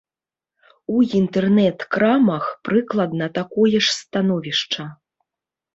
У інтэрнэт-крамах прыкладна такое ж становішча.